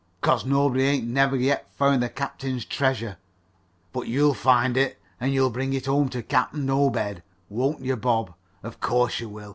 'Cause nobody ain't never yet found the captain's treasure. But you'll find it, an' you'll bring it home to Captain Obed, won't you, Bob? Of course you will.